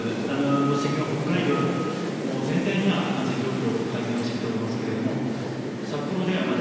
ご指摘の北海道、全体には感染状況、改善をしてきておりますけれども、札幌ではまだ。